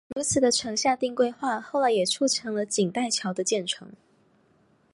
如此的城下町规划后来也促成了锦带桥的建成。